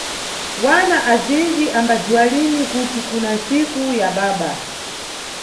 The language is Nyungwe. Wana azinji ambadziwa lini kuti kuna ntsiku ya baba.